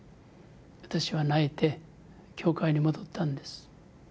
私は泣いて教会に戻ったんです。